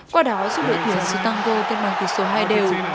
qua đó giúp đội tuyển stanko tên bằng tỷ số hai đều